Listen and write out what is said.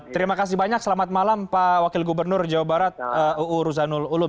terima kasih banyak selamat malam pak wakil gubernur jawa barat uu ruzanul ulum